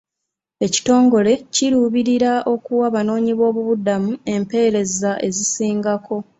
Ekitongole kiruubirira okuwa abanoonyi b'obubudamu empeereza ezisingako.